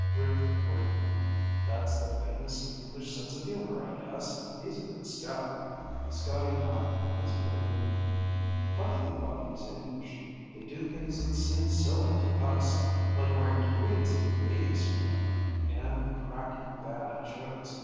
Rick grinned. "That's the famous English sense of humor, I guess. He's a good scout." Scotty nodded his agreement. "Funny thing about these English. They do things that seem silly to us, like wearing tweeds in bathing suit weather and cracking bad jokes.